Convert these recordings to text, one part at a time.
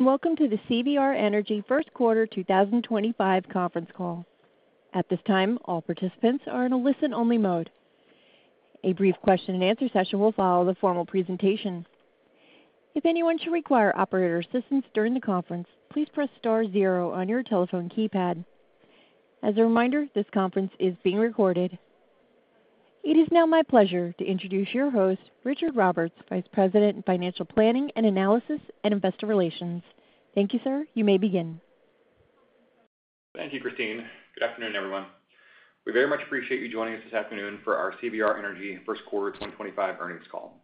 Welcome to the CVR Energy First Quarter 2025 Conference Call. At this time, all participants are in a listen-only mode. A brief question-and-answer session will follow the formal presentation. If anyone should require operator assistance during the conference, please press star zero on your telephone keypad. As a reminder, this conference is being recorded. It is now my pleasure to introduce your host, Richard Roberts, Vice President, Financial Planning and Analysis, and Investor Relations. Thank you, sir. You may begin. Thank you, Christine. Good afternoon, everyone. We very much appreciate you joining us this afternoon for our CVR Energy First Quarter 2025 Earnings Call.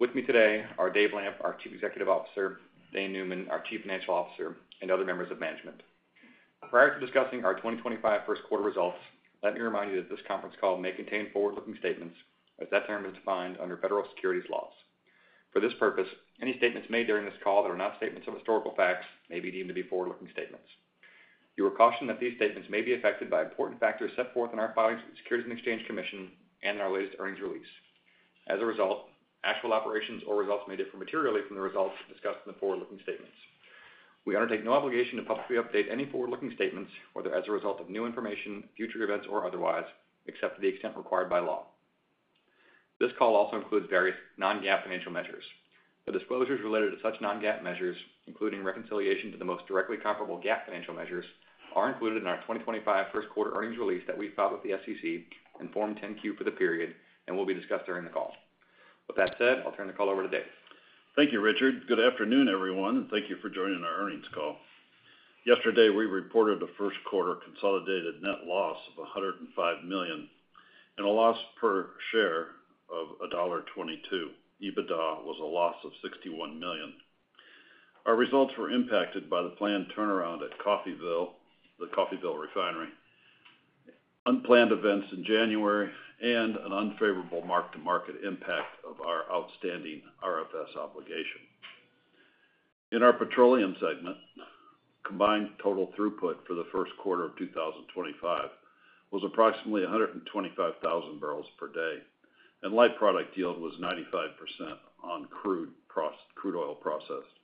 With me today are Dave Lamp, our Chief Executive Officer; Dane Neumann, our Chief Financial Officer; and other members of management. Prior to discussing our 2025 First Quarter Results, let me remind you that this conference call may contain forward-looking statements as that term is defined under federal securities laws. For this purpose, any statements made during this call that are not statements of historical facts may be deemed to be forward-looking statements. You are cautioned that these statements may be affected by important factors set forth in our filings with the Securities and Exchange Commission and in our latest earnings release. As a result, actual operations or results may differ materially from the results discussed in the forward-looking statements. We undertake no obligation to publicly update any forward-looking statements, whether as a result of new information, future events, or otherwise, except to the extent required by law. This call also includes various non-GAAP financial measures. The disclosures related to such non-GAAP measures, including reconciliation to the most directly comparable GAAP financial measures, are included in our 2025 first quarter earnings release that we filed with the SEC in Form 10-Q for the period and will be discussed during the call. With that said, I'll turn the call over to Dave. Thank you, Richard. Good afternoon, everyone, and thank you for joining our earnings call. Yesterday, we reported a first quarter consolidated net loss of $105 million and a loss per share of $1.22. EBITDA was a loss of $61 million. Our results were impacted by the planned turnaround at Coffeyville, the Coffeyville refinery, unplanned events in January, and an unfavorable mark-to-market impact of our outstanding RFS obligation. In our petroleum segment, combined total throughput for the first quarter of 2025 was approximately 125,000 barrels per day, and light product yield was 95% on crude oil processed.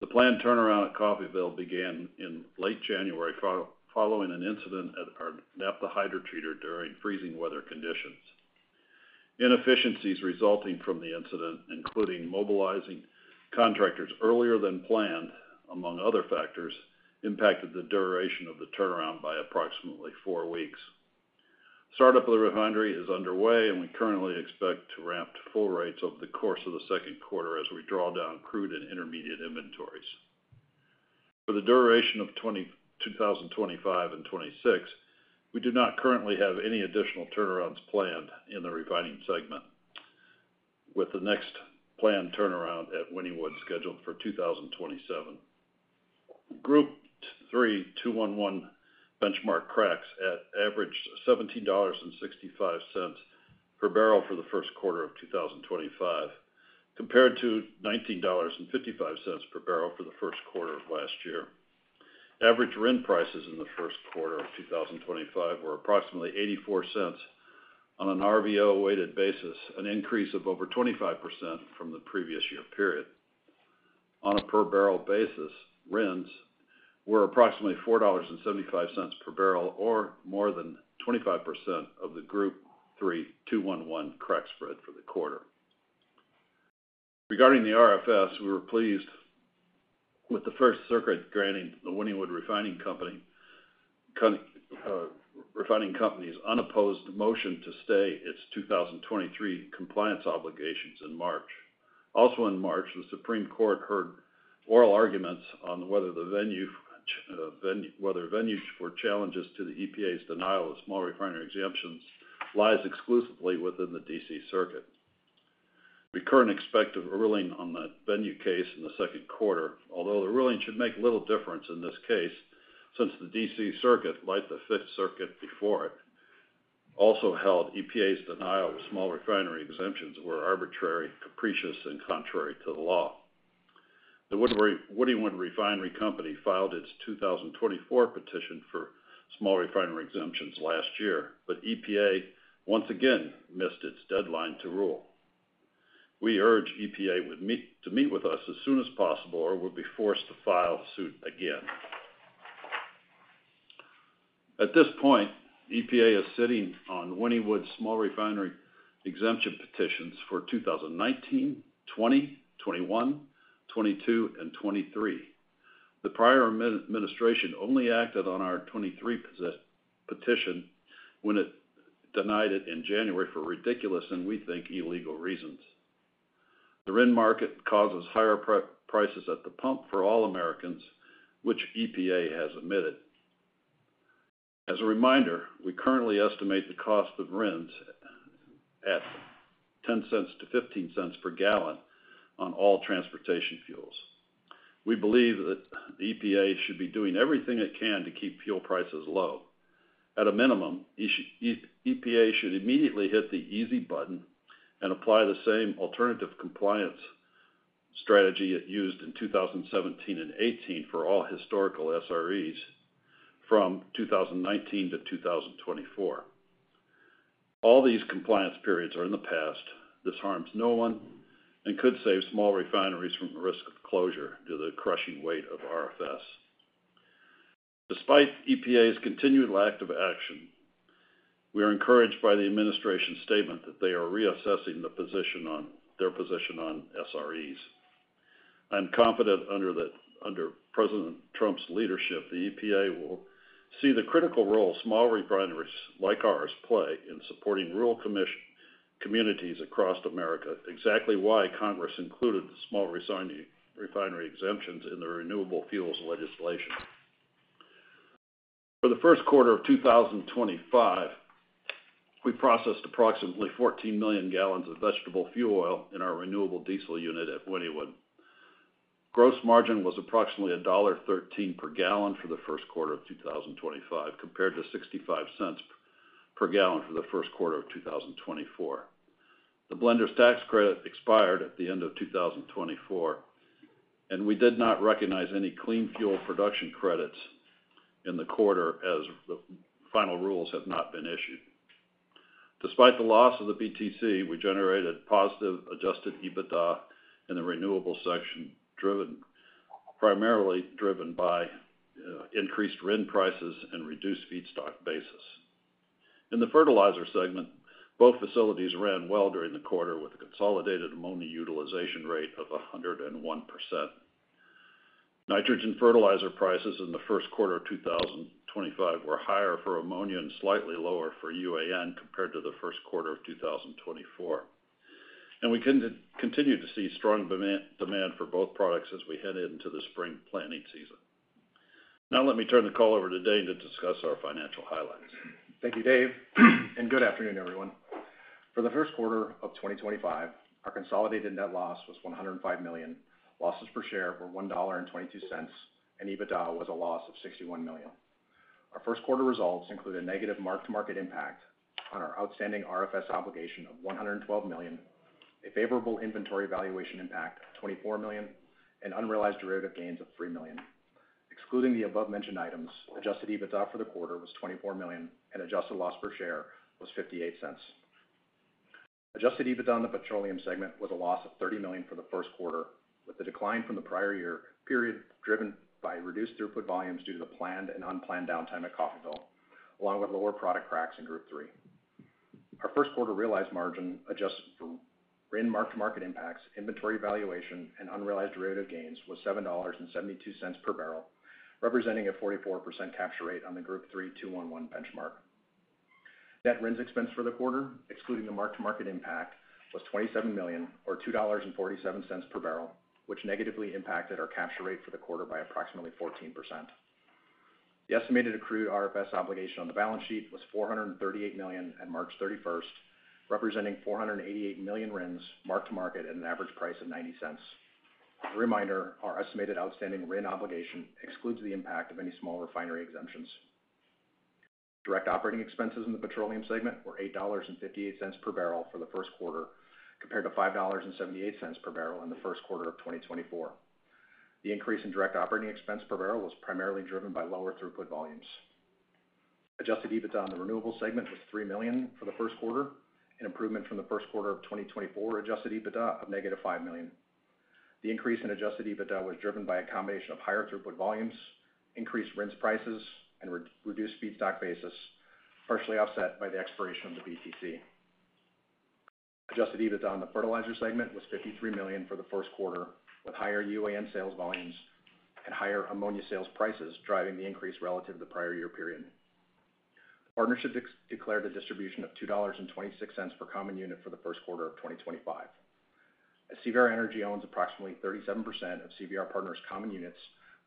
The planned turnaround at Coffeyville began in late January following an incident at our Naphtha Hydrotreater during freezing weather conditions. Inefficiencies resulting from the incident, including mobilizing contractors earlier than planned, among other factors, impacted the duration of the turnaround by approximately four weeks. Startup of the refinery is underway, and we currently expect to ramp to full rates over the course of the second quarter as we draw down crude and intermediate inventories. For the duration of 2025 and 2026, we do not currently have any additional turnarounds planned in the refining segment, with the next planned turnaround at Wynnewood scheduled for 2027. Group 3 2-1-1 benchmark cracks averaged $17.65 per barrel for the first quarter of 2025, compared to $19.55 per barrel for the first quarter of last year. Average RIN prices in the first quarter of 2025 were approximately $0.84 on an RVO-weighted basis, an increase of over 25% from the previous year period. On a per-barrel basis, RINs were approximately $4.75 per barrel or more than 25% of the Group 3 2-1-1 crack spread for the quarter. Regarding the RFS, we were pleased with the Fifth Circuit granting the Wynnewood Refining Company's unopposed motion to stay its 2023 compliance obligations in March. Also, in March, the Supreme Court heard oral arguments on whether venues for challenges to the EPA's denial of small refinery exemptions lies exclusively within the D.C. Circuit. We currently expect a ruling on that venue case in the second quarter, although the ruling should make little difference in this case since the D.C. Circuit, like the Fifth Circuit before it, also held EPA's denial of small refinery exemptions were arbitrary, capricious, and contrary to the law. The Wynnewood Refining Company filed its 2024 petition for small refinery exemptions last year, but EPA once again missed its deadline to rule. We urge EPA to meet with us as soon as possible or will be forced to file suit again. At this point, EPA is sitting on Wynnewood's small refinery exemption petitions for 2019, 2020, 2021, 2022, and 2023. The prior administration only acted on our 2023 petition when it denied it in January for ridiculous and, we think, illegal reasons. The RIN market causes higher prices at the pump for all Americans, which EPA has admitted. As a reminder, we currently estimate the cost of RINs at $0.10-0.15 per gallon on all transportation fuels. We believe that EPA should be doing everything it can to keep fuel prices low. At a minimum, EPA should immediately hit the easy button and apply the same alternative compliance strategy it used in 2017 and 2018 for all historical SREs from 2019 to 2024. All these compliance periods are in the past. This harms no one and could save small refineries from the risk of closure due to the crushing weight of RFS. Despite EPA's continued lack of action, we are encouraged by the administration's statement that they are reassessing their position on SREs. I'm confident under President Trump's leadership, the EPA will see the critical role small refineries like ours play in supporting rural communities across America, exactly why Congress included small refinery exemptions in the renewable fuels legislation. For the first quarter of 2025, we processed approximately 14 million gallons of vegetable oil in our renewable diesel unit at Wynnewood. Gross margin was approximately $1.13 per gallon for the first quarter of 2025, compared to $0.65 per gallon for the first quarter of 2024. The Blender's Tax Credit expired at the end of 2024, and we did not recognize any clean fuel production credits in the quarter as the final rules have not been issued. Despite the loss of the BTC, we generated positive adjusted EBITDA in the renewable section, primarily driven by increased RIN prices and reduced feedstock basis. In the fertilizer segment, both facilities ran well during the quarter with a consolidated ammonia utilization rate of 101%. Nitrogen fertilizer prices in the first quarter of 2025 were higher for ammonia and slightly lower for UAN compared to the first quarter of 2024. We continue to see strong demand for both products as we head into the spring planting season. Now let me turn the call over to Dane to discuss our financial highlights. Thank you, Dave, and good afternoon, everyone. For the first quarter of 2025, our consolidated net loss was $105 million. Losses per share were $1.22, and EBITDA was a loss of $61 million. Our first quarter results include a negative mark-to-market impact on our outstanding RFS obligation of $112 million, a favorable inventory valuation impact of $24 million, and unrealized derivative gains of $3 million. Excluding the above-mentioned items, adjusted EBITDA for the quarter was $24 million, and adjusted loss per share was $0.58. Adjusted EBITDA in the petroleum segment was a loss of $30 million for the first quarter, with the decline from the prior year period driven by reduced throughput volumes due to the planned and unplanned downtime at Coffeyville, along with lower product cracks in Group 3. Our first quarter realized margin adjusted for RIN mark-to-market impacts, inventory valuation, and unrealized derivative gains was $7.72 per barrel, representing a 44% capture rate on the Group 3 2-1-1 benchmark. Net RINs expense for the quarter, excluding the mark-to-market impact, was $27 million, or $2.47 per barrel, which negatively impacted our capture rate for the quarter by approximately 14%. The estimated accrued RFS obligation on the balance sheet was $438 million at March 31, representing $488 million RINs mark-to-market at an average price of $0.90. As a reminder, our estimated outstanding RIN obligation excludes the impact of any Small Refinery Exemptions. Direct operating expenses in the petroleum segment were $8.58 per barrel for the first quarter, compared to $5.78 per barrel in the first quarter of 2024. The increase in direct operating expense per barrel was primarily driven by lower throughput volumes. Adjusted EBITDA in the renewable segment was $3 million for the first quarter, an improvement from the first quarter of 2024 adjusted EBITDA of -$5 million. The increase in adjusted EBITDA was driven by a combination of higher throughput volumes, increased RINs prices, and reduced feedstock basis, partially offset by the expiration of the BTC. Adjusted EBITDA in the fertilizer segment was $53 million for the first quarter, with higher UAN sales volumes and higher ammonia sales prices driving the increase relative to the prior year period. The partnership declared a distribution of $2.26 per common unit for the first quarter of 2025. As CVR Energy owns approximately 37% of CVR Partners' common units,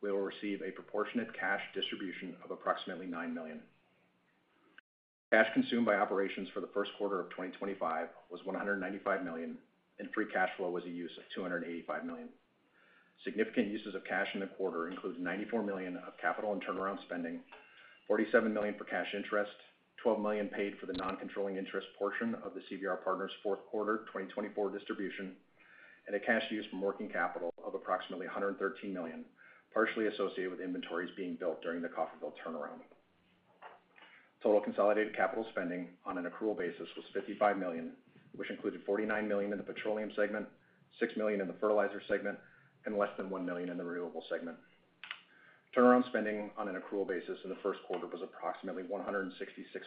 we will receive a proportionate cash distribution of approximately $9 million. Cash consumed by operations for the first quarter of 2025 was $195 million, and free cash flow was a use of $285 million. Significant uses of cash in the quarter include $94 million of capital and turnaround spending, $47 million for cash interest, $12 million paid for the non-controlling interest portion of the CVR Partners' fourth quarter 2024 distribution, and a cash use from working capital of approximately $113 million, partially associated with inventories being built during the Coffeyville turnaround. Total consolidated capital spending on an accrual basis was $55 million, which included $49 million in the petroleum segment, $6 million in the fertilizer segment, and less than $1 million in the renewable segment. Turnaround spending on an accrual basis in the first quarter was approximately $166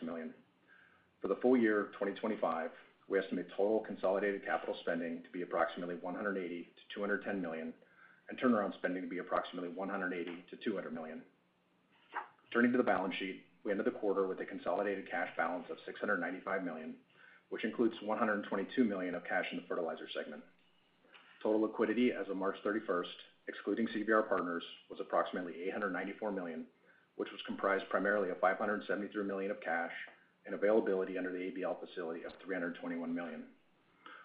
million. For the full year 2025, we estimate total consolidated capital spending to be approximately $180-$210 million, and turnaround spending to be approximately $180-$200 million. Turning to the balance sheet, we ended the quarter with a consolidated cash balance of $695 million, which includes $122 million of cash in the fertilizer segment. Total liquidity as of March 31, excluding CVR Partners, was approximately $894 million, which was comprised primarily of $573 million of cash and availability under the ABL facility of $321 million.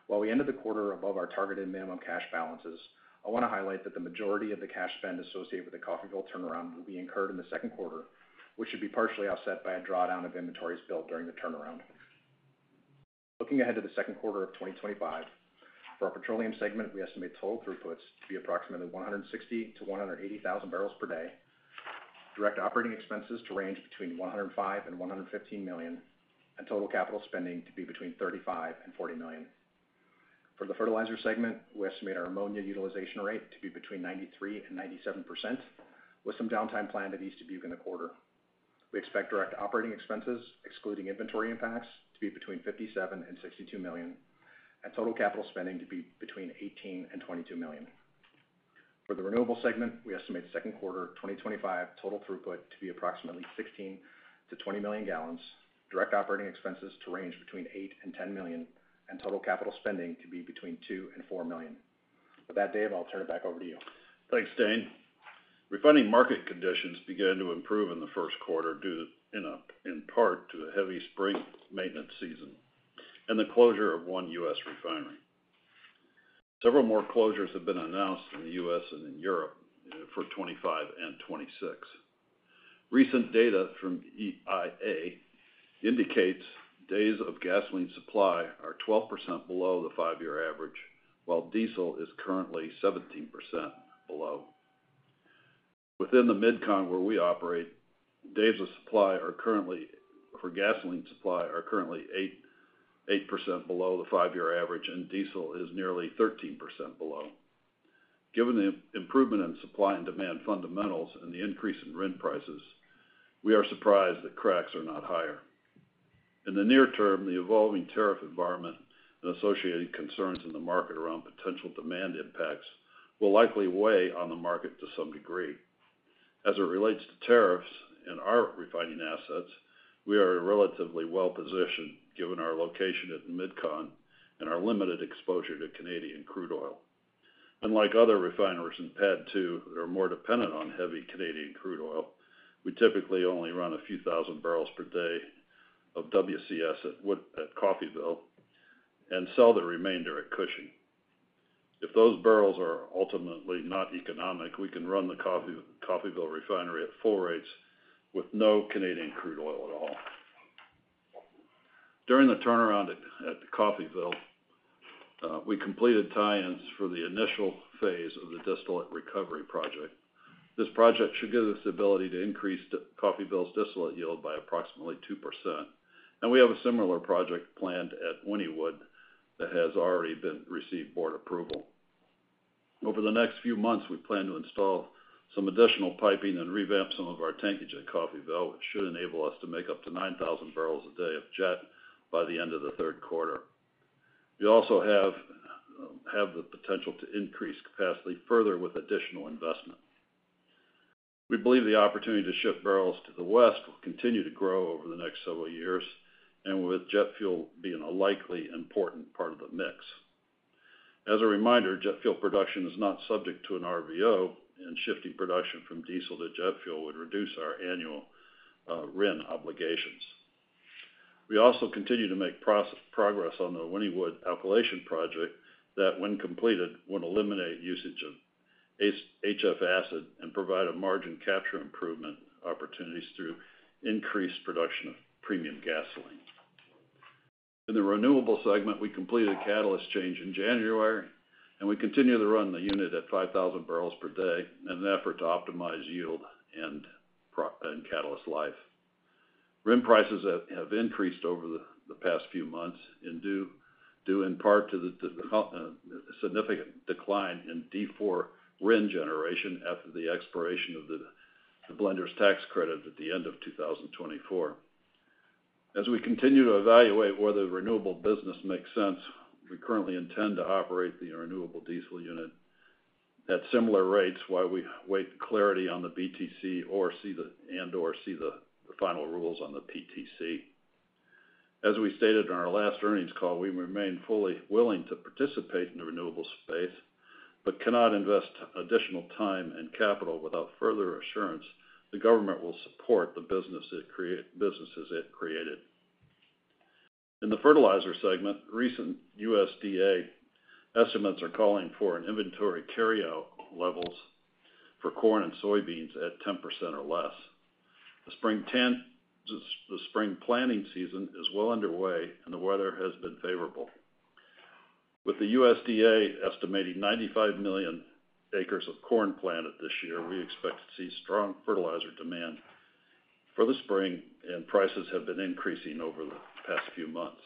While we ended the quarter above our targeted minimum cash balances, I want to highlight that the majority of the cash spend associated with the Coffeyville turnaround will be incurred in the second quarter, which should be partially offset by a drawdown of inventories built during the turnaround. Looking ahead to the second quarter of 2025, for our petroleum segment, we estimate total throughputs to be approximately 160,000-180,000 barrels per day, direct operating expenses to range between $105 million and $115 million, and total capital spending to be between $35 million and $40 million. For the fertilizer segment, we estimate our ammonia utilization rate to be between 93% and 97%, with some downtime planned at East Dubuque in the quarter. We expect direct operating expenses, excluding inventory impacts, to be between $57 million and $62 million, and total capital spending to be between $18 million and $22 million. For the renewable segment, we estimate second quarter 2025 total throughput to be approximately 16-20 million gallons, direct operating expenses to range between $8 million and $10 million, and total capital spending to be between $2 million and $4 million. With that, Dave, I'll turn it back over to you. Thanks, Dane. Refining market conditions began to improve in the first quarter in part due to a heavy spring maintenance season and the closure of one U.S. refinery. Several more closures have been announced in the U.S. and in Europe for 2025 and 2026. Recent data from EIA indicates days of gasoline supply are 12% below the five-year average, while diesel is currently 17% below. Within the Mid-Continent where we operate, days of supply for gasoline supply are currently 8% below the five-year average, and diesel is nearly 13% below. Given the improvement in supply and demand fundamentals and the increase in RIN prices, we are surprised that cracks are not higher. In the near term, the evolving tariff environment and associated concerns in the market around potential demand impacts will likely weigh on the market to some degree. As it relates to tariffs and our refining assets, we are relatively well-positioned given our location in the Mid-Continent and our limited exposure to Canadian crude oil. Unlike other refineries in PADD 2 that are more dependent on heavy Canadian crude oil, we typically only run a few thousand barrels per day of WCS at Coffeyville and sell the remainder at Cushing. If those barrels are ultimately not economic, we can run the Coffeyville refinery at full rates with no Canadian crude oil at all. During the turnaround at Coffeyville, we completed tie-ins for the initial phase of the distillate recovery project. This project should give us the ability to increase Coffeyville's distillate yield by approximately 2%, and we have a similar project planned at Wynnewood that has already received board approval. Over the next few months, we plan to install some additional piping and revamp some of our tankage at Coffeyville, which should enable us to make up to 9,000 barrels a day of jet by the end of the third quarter. We also have the potential to increase capacity further with additional investment. We believe the opportunity to shift barrels to the west will continue to grow over the next several years, and with jet fuel being a likely important part of the mix. As a reminder, jet fuel production is not subject to an RVO, and shifting production from diesel to jet fuel would reduce our annual RIN obligations. We also continue to make progress on the Wynnewood alkylation project that, when completed, will eliminate usage of HF acid and provide a margin capture improvement opportunity through increased production of premium gasoline. In the renewable segment, we completed a catalyst change in January, and we continue to run the unit at 5,000 barrels per day in an effort to optimize yield and catalyst life. RIN prices have increased over the past few months due in part to the significant decline in D4 RIN generation after the expiration of the Blender's Tax Credit at the end of 2024. As we continue to evaluate whether the renewable business makes sense, we currently intend to operate the renewable diesel unit at similar rates, while we wait clarity on the BTC and/or see the final rules on the PTC. As we stated in our last earnings call, we remain fully willing to participate in the renewable space but cannot invest additional time and capital without further assurance the government will support the businesses it created. In the fertilizer segment, recent USDA estimates are calling for inventory carry-out levels for corn and soybeans at 10% or less. The spring planting season is well underway, and the weather has been favorable. With the USDA estimating 95 million acres of corn planted this year, we expect to see strong fertilizer demand for the spring, and prices have been increasing over the past few months.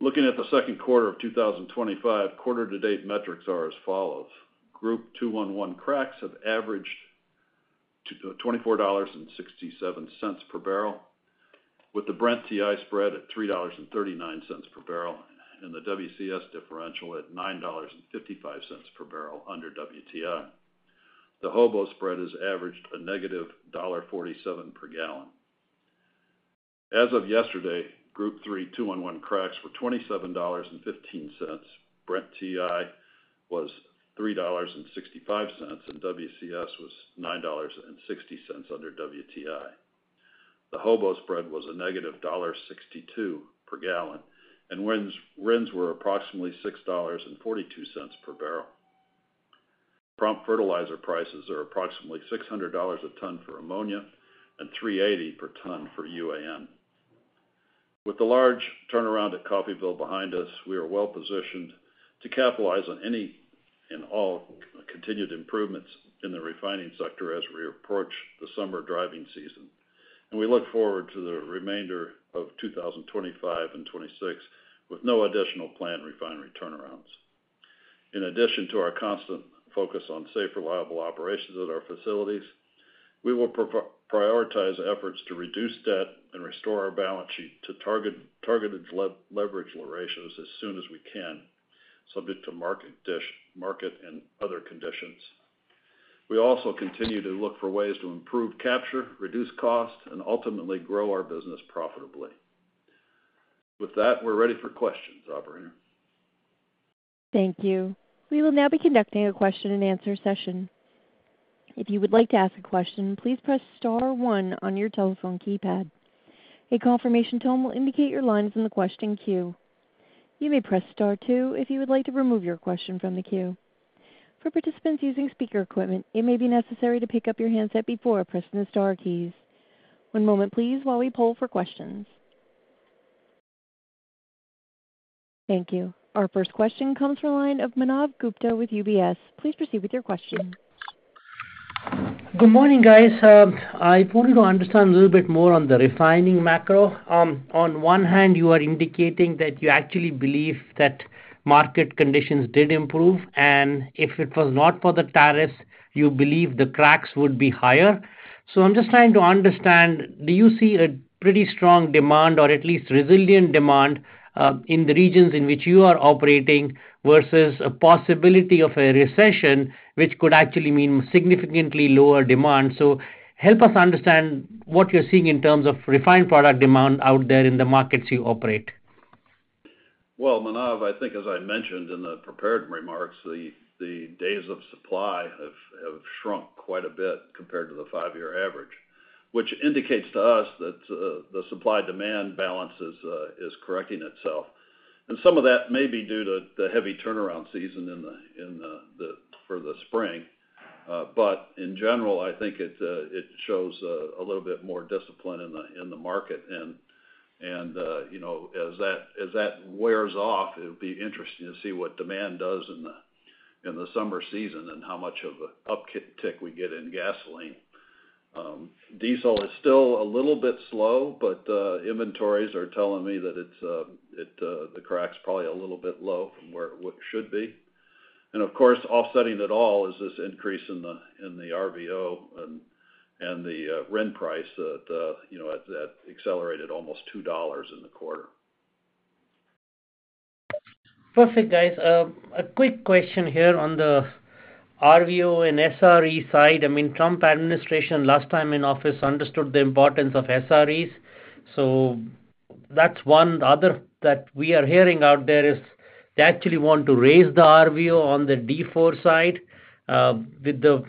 Looking at the second quarter of 2025, quarter-to-date metrics are as follows. Group 3 2-1-1 cracks have averaged $24.67 per barrel, with the Brent TI spread at $3.39 per barrel and the WCS differential at $9.55 per barrel under WTI. The HOBO spread has averaged a -$1.47 per gallon. As of yesterday, Group 3 2-1-1 cracks were $27.15, Brent TI was $3.65, and WCS was $9.60 under WTI. The HOBO spread was a -$1.62 per gallon, and RINs were approximately $6.42 per barrel. Prompt fertilizer prices are approximately $600 a ton for ammonia and $3.80 per ton for UAN. With the large turnaround at Coffeyville behind us, we are well-positioned to capitalize on any and all continued improvements in the refining sector as we approach the summer driving season, and we look forward to the remainder of 2025 and 2026 with no additional planned refinery turnarounds. In addition to our constant focus on safe, reliable operations at our facilities, we will prioritize efforts to reduce debt and restore our balance sheet to targeted leverage ratios as soon as we can, subject to market and other conditions. We also continue to look for ways to improve capture, reduce cost, and ultimately grow our business profitably. With that, we're ready for questions, Operator. Thank you. We will now be conducting a question-and-answer session. If you would like to ask a question, please press star one on your telephone keypad. A confirmation tone will indicate your line is in the question queue. You may press star two if you would like to remove your question from the queue. For participants using speaker equipment, it may be necessary to pick up your handset before pressing the star keys. One moment, please, while we poll for questions. Thank you. Our first question comes from a line of Manav Gupta with UBS. Please proceed with your question. Good morning, guys. I wanted to understand a little bit more on the refining macro. On one hand, you are indicating that you actually believe that market conditions did improve, and if it was not for the tariffs, you believe the cracks would be higher. I am just trying to understand, do you see a pretty strong demand or at least resilient demand in the regions in which you are operating versus a possibility of a recession, which could actually mean significantly lower demand? Help us understand what you are seeing in terms of refined product demand out there in the markets you operate. Manav, I think, as I mentioned in the prepared remarks, the days of supply have shrunk quite a bit compared to the five-year average, which indicates to us that the supply-demand balance is correcting itself. Some of that may be due to the heavy turnaround season for the spring. In general, I think it shows a little bit more discipline in the market. As that wears off, it would be interesting to see what demand does in the summer season and how much of an uptick we get in gasoline. Diesel is still a little bit slow, but inventories are telling me that the cracks are probably a little bit low from where it should be. Of course, offsetting it all is this increase in the RVO and the RIN price that accelerated almost $2 in the quarter. Perfect, guys. A quick question here on the RVO and SRE side. I mean, Trump administration last time in office understood the importance of SREs. That is one. The other that we are hearing out there is they actually want to raise the RVO on the D4 side with the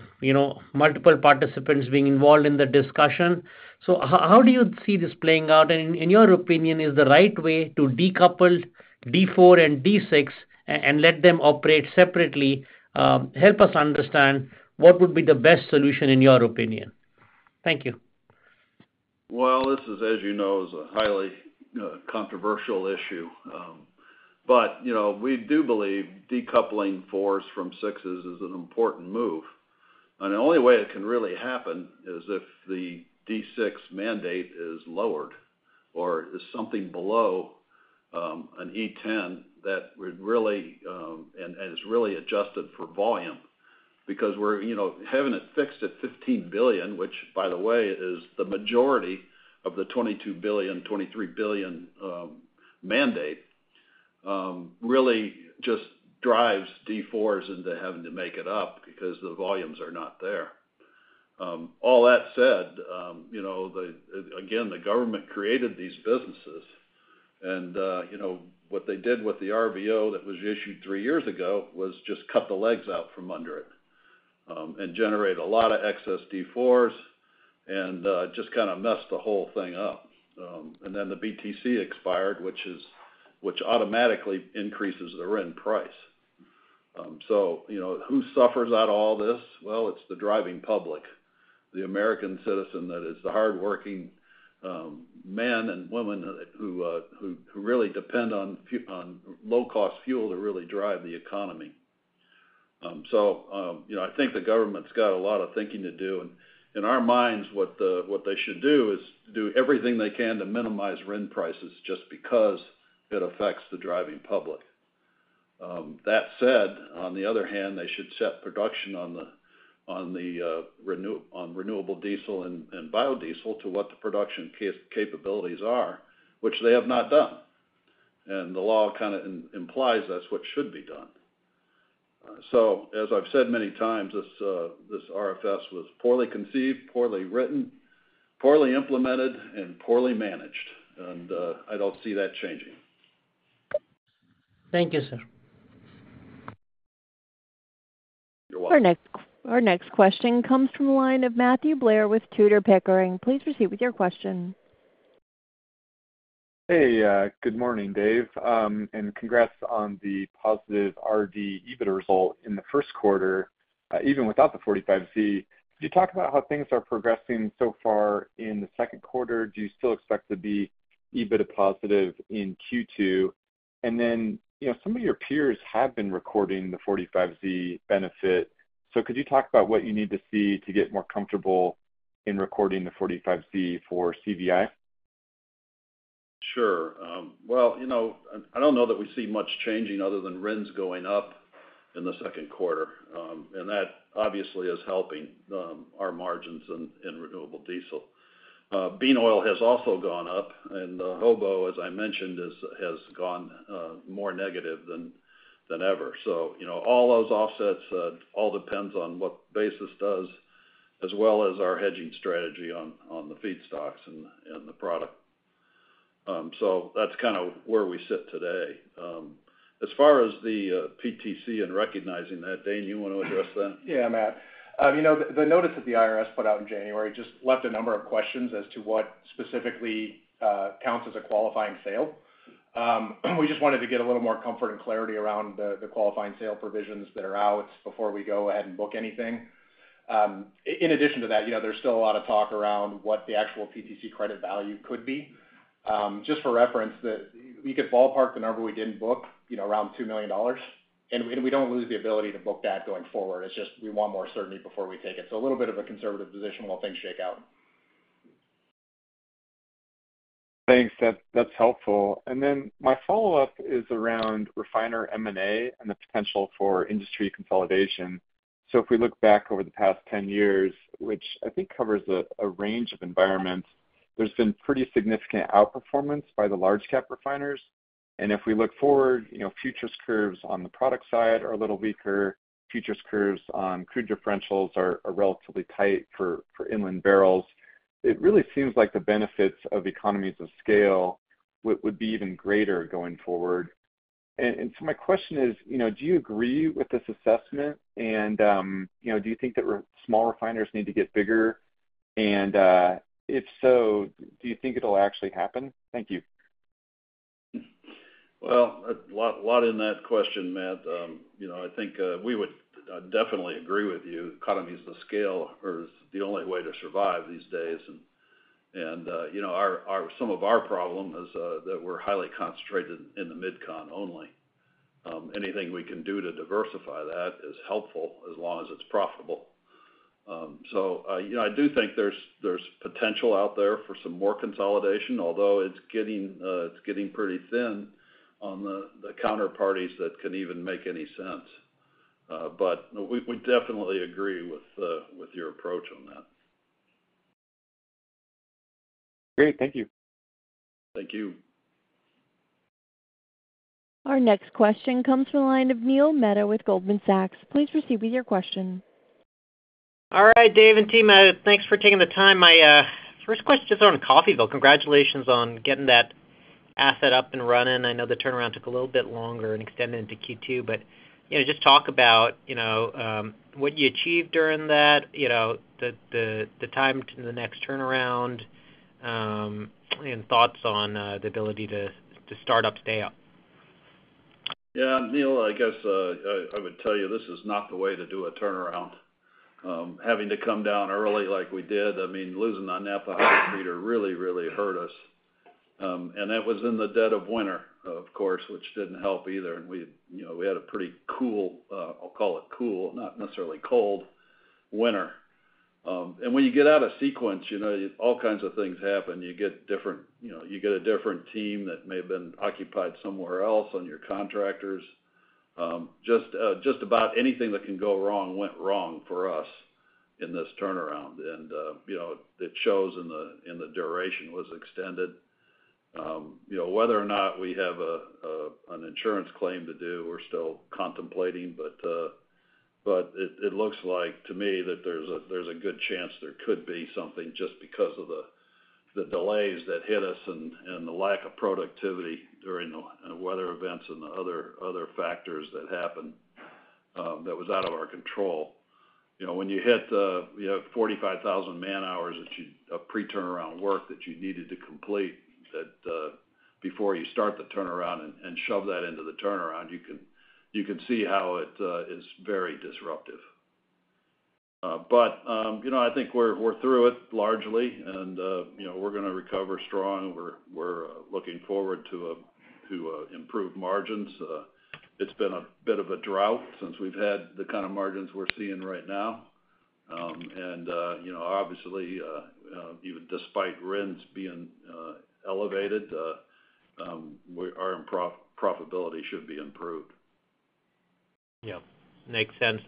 multiple participants being involved in the discussion. How do you see this playing out? In your opinion, is the right way to decouple D4 and D6 and let them operate separately? Help us understand what would be the best solution in your opinion. Thank you. This is, as you know, a highly controversial issue. We do believe decoupling fours from sixes is an important move. The only way it can really happen is if the D6 mandate is lowered or is something below an E10 that is really adjusted for volume because we're having it fixed at 15 billion, which, by the way, is the majority of the 22 billion-23 billion mandate, really just drives D4s into having to make it up because the volumes are not there. All that said, again, the government created these businesses, and what they did with the RVO that was issued three years ago was just cut the legs out from under it and generate a lot of excess D4s and just kind of mess the whole thing up. The BTC expired, which automatically increases the RIN price. Who suffers out of all this? It is the driving public, the American citizen, the hardworking men and women who really depend on low-cost fuel to drive the economy. I think the government's got a lot of thinking to do. In our minds, what they should do is everything they can to minimize RIN prices just because it affects the driving public. That said, on the other hand, they should set production on renewable diesel and biodiesel to what the production capabilities are, which they have not done. The law kind of implies that is what should be done. As I have said many times, this RFS was poorly conceived, poorly written, poorly implemented, and poorly managed. I do not see that changing. Thank you, sir. You're welcome. Our next question comes from a line of Matthew Blair with Tudor Pickering. Please proceed with your question. Hey, good morning, Dave. And congrats on the positive RD EBITDA result in the first quarter, even without the 45Z. Can you talk about how things are progressing so far in the second quarter? Do you still expect to be EBITDA positive in Q2? And then some of your peers have been recording the 45Z benefit. So could you talk about what you need to see to get more comfortable in recording the 45Z for CVI? Sure. I do not know that we see much changing other than RINs going up in the second quarter. That obviously is helping our margins in renewable diesel. Bean oil has also gone up, and HOBO, as I mentioned, has gone more negative than ever. All those offsets all depend on what basis does, as well as our hedging strategy on the feedstocks and the product. That is kind of where we sit today. As far as the PTC and recognizing that, Dane, you want to address that? Yeah, Matt. The notice that the IRS put out in January just left a number of questions as to what specifically counts as a qualifying sale. We just wanted to get a little more comfort and clarity around the qualifying sale provisions that are out before we go ahead and book anything. In addition to that, there's still a lot of talk around what the actual PTC credit value could be. Just for reference, we could ballpark the number we didn't book around $2 million. We don't lose the ability to book that going forward. It's just we want more certainty before we take it. A little bit of a conservative position while things shake out. Thanks. That's helpful. My follow-up is around refiner M&A and the potential for industry consolidation. If we look back over the past 10 years, which I think covers a range of environments, there's been pretty significant outperformance by the large-cap refiners. If we look forward, futures curves on the product side are a little weaker. Futures curves on crude differentials are relatively tight for inland barrels. It really seems like the benefits of economies of scale would be even greater going forward. My question is, do you agree with this assessment? Do you think that small refiners need to get bigger? If so, do you think it'll actually happen? Thank you. A lot in that question, Matt. I think we would definitely agree with you. Economies of scale are the only way to survive these days. Some of our problem is that we're highly concentrated in the Mid-Continent only. Anything we can do to diversify that is helpful as long as it's profitable. I do think there's potential out there for some more consolidation, although it's getting pretty thin on the counterparties that can even make any sense. We definitely agree with your approach on that. Great. Thank you. Thank you. Our next question comes from a line of Neil Mehta with Goldman Sachs. Please proceed with your question. All right, Dave and team. Thanks for taking the time. My first question is on Coffeyville. Congratulations on getting that asset up and running. I know the turnaround took a little bit longer and extended into Q2, but just talk about what you achieved during that, the time to the next turnaround, and thoughts on the ability to start up, stay up. Yeah. Neil, I guess I would tell you this is not the way to do a turnaround. Having to come down early like we did, I mean, losing on Naphtha Hydrotreater really, really hurt us. That was in the dead of winter, of course, which did not help either. We had a pretty cool, I will call it cool, not necessarily cold winter. When you get out of sequence, all kinds of things happen. You get a different team that may have been occupied somewhere else on your contractors. Just about anything that can go wrong went wrong for us in this turnaround. It shows in the duration it was extended. Whether or not we have an insurance claim to do, we are still contemplating. It looks like to me that there's a good chance there could be something just because of the delays that hit us and the lack of productivity during the weather events and the other factors that happened that were out of our control. When you hit the 45,000 man-hours of pre-turnaround work that you needed to complete before you start the turnaround and shove that into the turnaround, you can see how it is very disruptive. I think we're through it largely, and we're going to recover strong. We're looking forward to improved margins. It's been a bit of a drought since we've had the kind of margins we're seeing right now. Obviously, even despite RINs being elevated, our profitability should be improved. Yeah. Makes sense.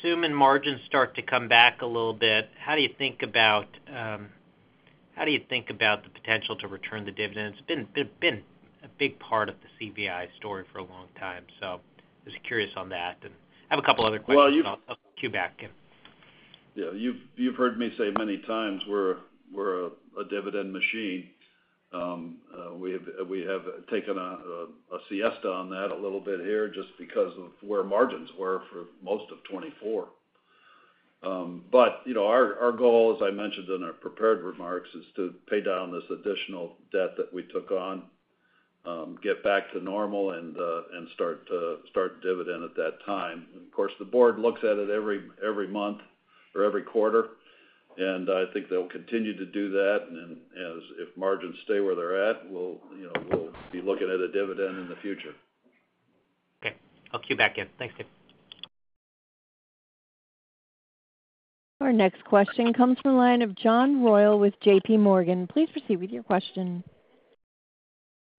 Assuming margins start to come back a little bit, how do you think about the potential to return the dividends? It's been a big part of the CVR Energy story for a long time. I was curious on that. I have a couple of other questions. Well, you. I'll cue back in. Yeah. You've heard me say many times we're a dividend machine. We have taken a siesta on that a little bit here just because of where margins were for most of 2024. Our goal, as I mentioned in our prepared remarks, is to pay down this additional debt that we took on, get back to normal, and start dividend at that time. Of course, the board looks at it every month or every quarter, and I think they'll continue to do that. If margins stay where they're at, we'll be looking at a dividend in the future. Okay. I'll cue back in. Thanks, Dave. Our next question comes from a line of John Royall with JPMorgan. Please proceed with your question.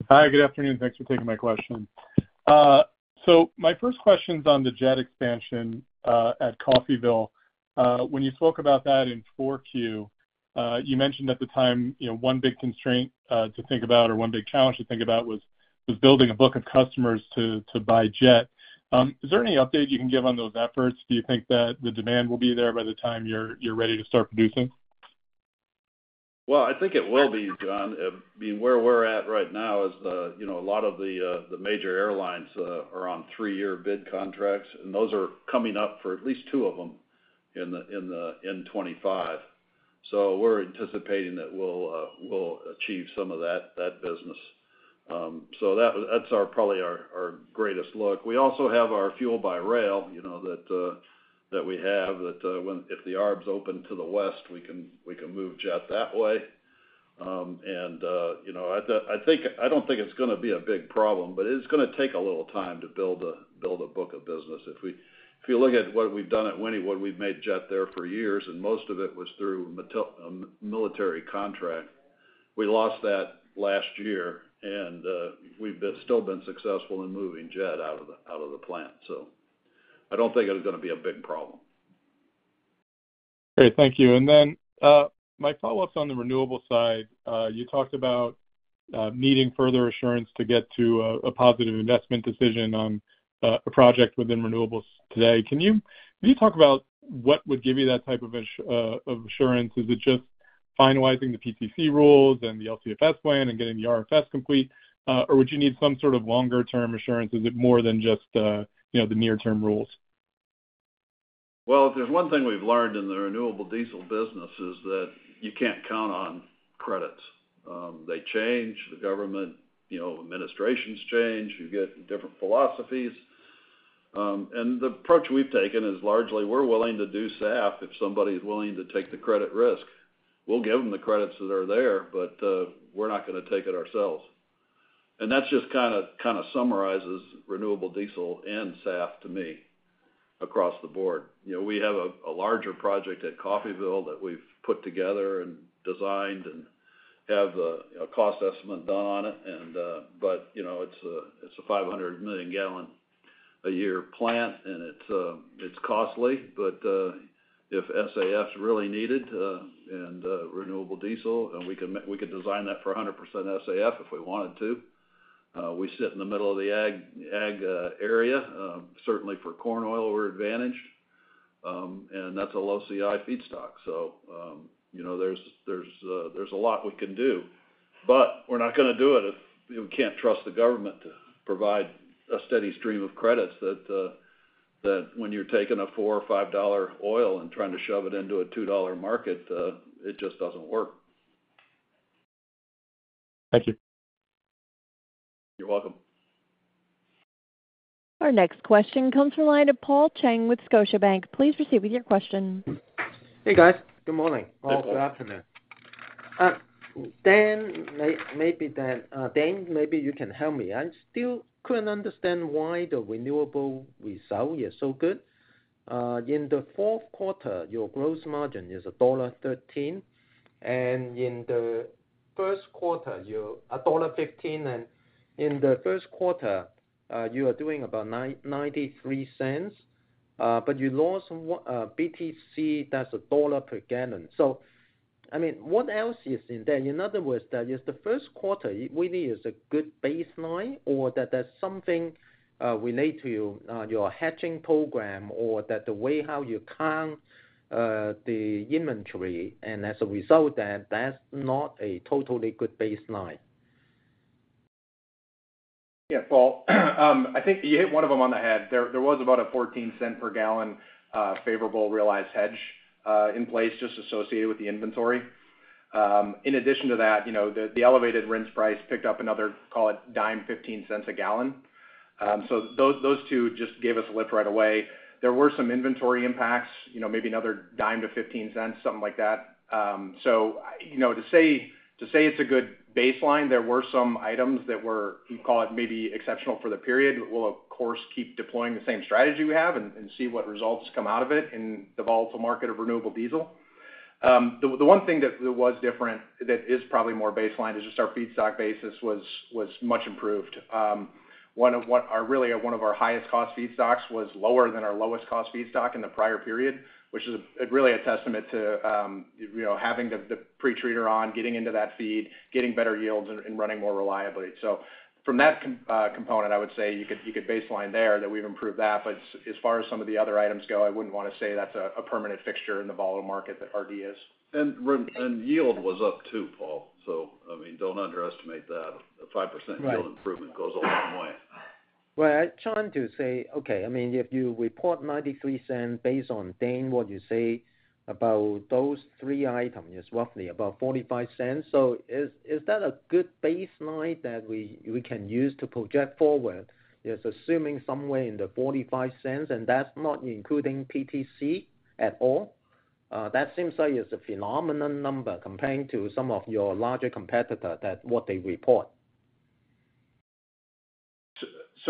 Hi. Good afternoon. Thanks for taking my question. My first question is on the jet expansion at Coffeyville. When you spoke about that in Q4, you mentioned at the time one big constraint to think about or one big challenge to think about was building a book of customers to buy jet. Is there any update you can give on those efforts? Do you think that the demand will be there by the time you're ready to start producing? I think it will be, John. I mean, where we're at right now is a lot of the major airlines are on three-year bid contracts, and those are coming up for at least two of them in 2025. I mean, we're anticipating that we'll achieve some of that business. That's probably our greatest look. We also have our fuel by rail that we have that if the Arbs open to the west, we can move jet that way. I don't think it's going to be a big problem, but it's going to take a little time to build a book of business. If you look at what we've done at Wynnewood, we've made jet there for years, and most of it was through military contract. We lost that last year, and we've still been successful in moving jet out of the plant. I don't think it's going to be a big problem. Okay. Thank you. My follow-up on the renewable side, you talked about needing further assurance to get to a positive investment decision on a project within renewables today. Can you talk about what would give you that type of assurance? Is it just finalizing the PTC rules and the LCFS plan and getting the RFS complete? Would you need some sort of longer-term assurance? Is it more than just the near-term rules? If there's one thing we've learned in the renewable diesel business is that you can't count on credits. They change. The government administrations change. You get different philosophies. The approach we've taken is largely we're willing to do SAF if somebody's willing to take the credit risk. We'll give them the credits that are there, but we're not going to take it ourselves. That just kind of summarizes renewable diesel and SAF to me across the board. We have a larger project at Coffeyville that we've put together and designed and have the cost estimate done on it. It's a 500 million-gallon-a-year plant, and it's costly. If SAF's really needed and renewable diesel, we could design that for 100% SAF if we wanted to. We sit in the middle of the ag area. Certainly, for corn oil, we're advantaged. That's a low-CI feedstock. There is a lot we can do. However, we are not going to do it if we cannot trust the government to provide a steady stream of credits. When you are taking a $4 or $5 oil and trying to shove it into a $2 market, it just does not work. Thank you. You're welcome. Our next question comes from a line of Paul Cheng with Scotiabank. Please proceed with your question. Hey, guys. Good morning. Oh, good afternoon. Thanks. Maybe you can help me. I still couldn't understand why the renewable result is so good. In the fourth quarter, your gross margin is $1.13. In the first quarter, $1.15. In the first quarter, you are doing about $0.93. I mean, you lost BTC; that's $1 per gallon. I mean, what else is in there? In other words, is the first quarter really a good baseline or is there something related to your hedging program or the way you count the inventory? As a result, that's not a totally good baseline. Yeah, Paul, I think you hit one of them on the head. There was about a $0.14 per gallon favorable realized hedge in place just associated with the inventory. In addition to that, the elevated RINs price picked up another, call it, $0.10-$0.15 a gallon. Those two just gave us a lift right away. There were some inventory impacts, maybe another $0.10-$0.15, something like that. To say it's a good baseline, there were some items that were, you call it, maybe exceptional for the period. We'll, of course, keep deploying the same strategy we have and see what results come out of it in the volatile market of renewable diesel. The one thing that was different that is probably more baseline is just our feedstock basis was much improved. Really, one of our highest-cost feedstocks was lower than our lowest-cost feedstock in the prior period, which is really a testament to having the pretreater on, getting into that feed, getting better yields, and running more reliably. From that component, I would say you could baseline there that we've improved that. As far as some of the other items go, I wouldn't want to say that's a permanent fixture in the volatile market that RD is. Yield was up too, Paul. I mean, do not underestimate that. A 5% yield improvement goes a long way. I'm trying to say, okay, I mean, if you report $0.93 based on Dane, what you say about those three items, it's roughly about $0.45. Is that a good baseline that we can use to project forward? Assuming somewhere in the $0.45 and that's not including PTC at all, that seems like it's a phenomenal number compared to some of your larger competitors that what they report.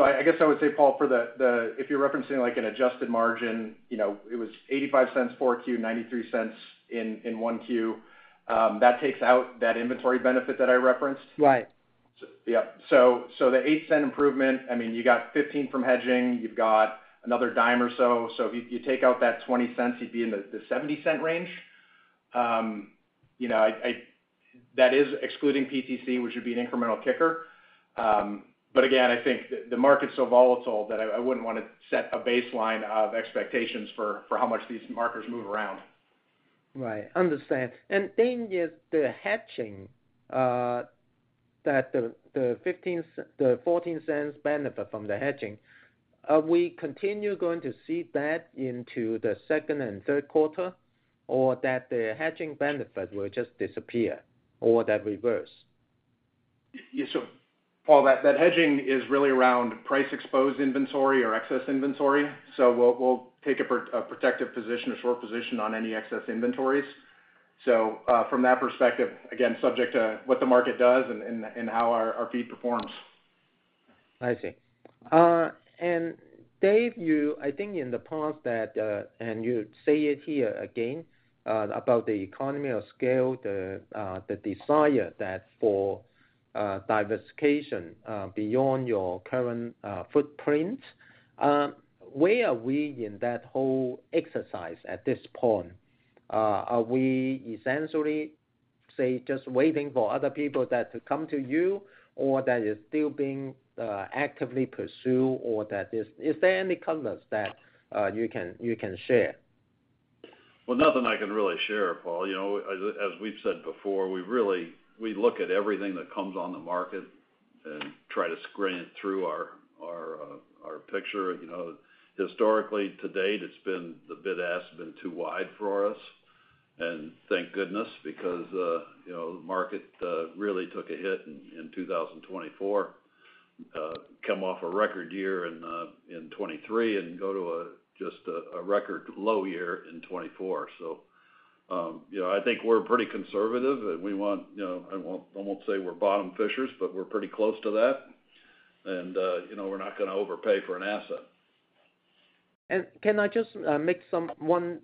I guess I would say, Paul, if you're referencing an adjusted margin, it was $0.85 4Q, $0.93 in 1Q. That takes out that inventory benefit that I referenced. Right. Yep. The $0.08 improvement, I mean, you got $0.15 from hedging. You have another dime or so. If you take out that $0.20, you would be in the $0.70 range. That is excluding PTC, which would be an incremental kicker. Again, I think the market is so volatile that I would not want to set a baseline of expectations for how much these markers move around. Right. Understand. And Dane, is the hedging, the $0.14 benefit from the hedging, are we continuing going to see that into the second and third quarter, or does the hedging benefit just disappear or does that reverse? Yeah. Paul, that hedging is really around price-exposed inventory or excess inventory. We will take a protective position, a short position on any excess inventories. From that perspective, again, subject to what the market does and how our feed performs. I see. Dave, I think in the past that, and you say it here again, about the economy of scale, the desire for diversification beyond your current footprint. Where are we in that whole exercise at this point? Are we essentially, say, just waiting for other people to come to you, or that it is still being actively pursued, or is there any colors that you can share? Nothing I can really share, Paul. As we've said before, we look at everything that comes on the market and try to screen it through our picture. Historically, to date, the bid-ask has been too wide for us. Thank goodness because the market really took a hit in 2024, come off a record year in 2023, and go to just a record low year in 2024. I think we're pretty conservative. I won't say we're bottom fishers, but we're pretty close to that. We're not going to overpay for an asset. Can I just make one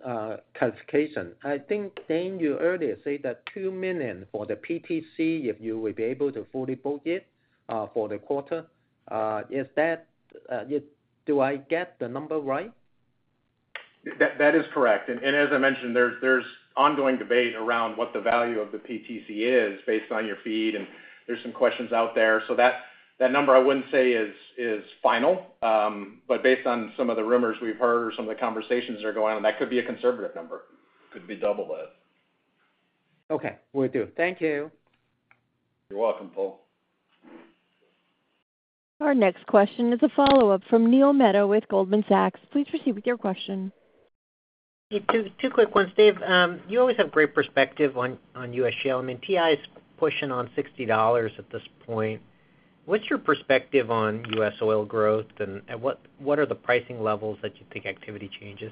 clarification? I think, Dane, you earlier said that $2 million for the PTC, if you would be able to fully book it for the quarter, do I get the number right? That is correct. As I mentioned, there's ongoing debate around what the value of the PTC is based on your feed. There's some questions out there. That number, I wouldn't say is final. Based on some of the rumors we've heard or some of the conversations that are going on, that could be a conservative number. Could be double that. Okay. Will do. Thank you. You're welcome, Paul. Our next question is a follow-up from Neil Mehta with Goldman Sachs. Please proceed with your question. Two quick ones. Dave, you always have great perspective on U.S. shale. I mean, TI is pushing on $60 at this point. What's your perspective on U.S. oil growth? And what are the pricing levels that you think activity changes?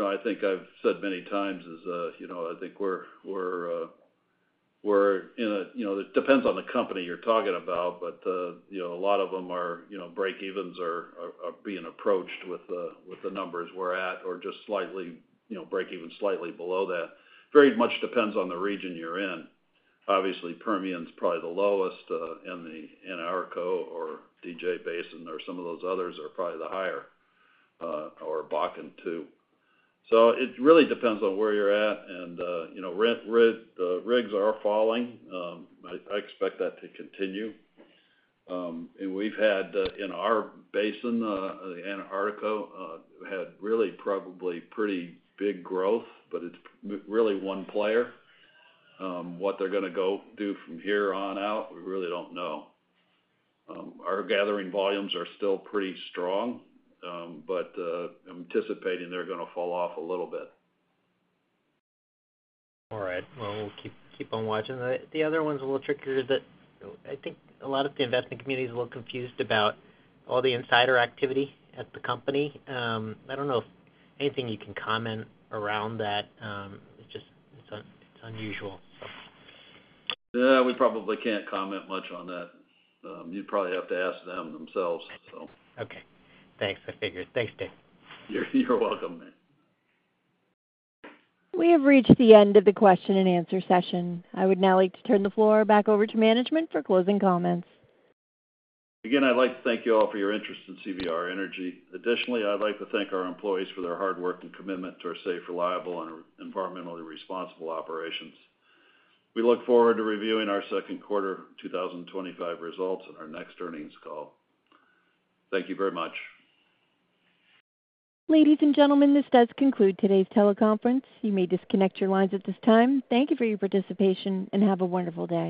I think I've said many times is I think we're in a it depends on the company you're talking about. A lot of them are break-evens are being approached with the numbers we're at or just slightly break-even, slightly below that. Very much depends on the region you're in. Obviously, Permian's probably the lowest, and the Anadarko or DJ Basin or some of those others are probably the higher or Bakken too. It really depends on where you're at. Rigs are falling. I expect that to continue. We've had in our basin, the Anadarko had really probably pretty big growth, but it's really one player. What they're going to go do from here on out, we really don't know. Our gathering volumes are still pretty strong, but I'm anticipating they're going to fall off a little bit. All right. We will keep on watching. The other one is a little trickier that I think a lot of the investment community is a little confused about, all the insider activity at the company. I do not know if anything you can comment around that. It is unusual, so. We probably can't comment much on that. You'd probably have to ask them themselves. Okay. Thanks. I figured. Thanks, Dave. You're welcome, man. We have reached the end of the question and answer session. I would now like to turn the floor back over to management for closing comments. Again, I'd like to thank you all for your interest in CVR Energy. Additionally, I'd like to thank our employees for their hard work and commitment to our safe, reliable, and environmentally responsible operations. We look forward to reviewing our second quarter 2025 results in our next earnings call. Thank you very much. Ladies and gentlemen, this does conclude today's teleconference. You may disconnect your lines at this time. Thank you for your participation and have a wonderful day.